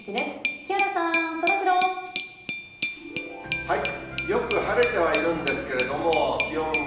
木原さん、そらジロー。よく晴れてはいるんですけれども、気温が